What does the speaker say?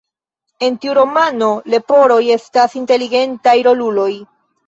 En tiu romano, leporoj estas inteligentaj roluloj.